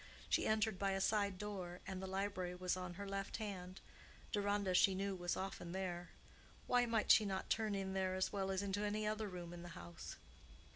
She entered by a side door, and the library was on her left hand; Deronda, she knew, was often there; why might she not turn in there as well as into any other room in the house?